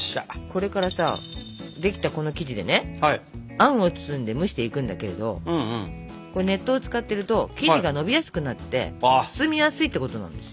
これからさできたこの生地でねあんを包んで蒸していくんだけれどこれ熱湯を使ってると生地がのびやすくなって包みやすいってことなんです。